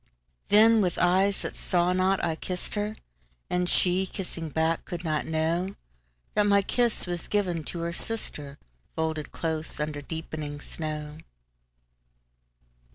Then, with eyes that saw not, I kissed her; And she, kissing back, could not knowThat my kiss was given to her sister, Folded close under deepening snow.